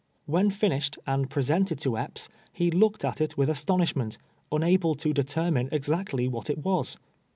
"When finished, and presented to Epps, he looked at it with astonishment, unable to determine exactly what it was.